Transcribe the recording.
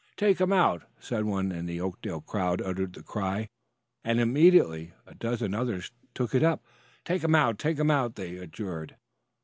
"Take him out!" Some one in the Oakdale crowd uttered the cry, and immediately a dozen others took it up. "Take him out! Take him out!" they adjured.